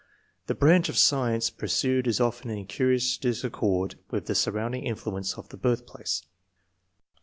^ The branch of science pursued is often in curious disaccord with the surrounding influence of the birthplace.